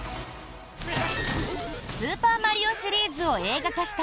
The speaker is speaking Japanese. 「スーパーマリオ」シリーズを映画化した